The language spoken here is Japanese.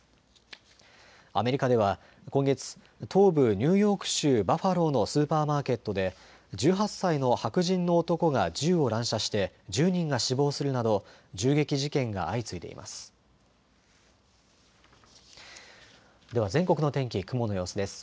アメリカでは今月、東部ニューヨーク州バファローのスーパーマーケットで１８歳の白人の男が銃を乱射して１０人が死亡するなど銃撃事件が相次いでいます。